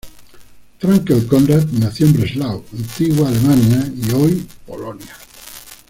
Fraenkel-Conrat nació en Breslau, antiguamente Alemania y hoy Polonia.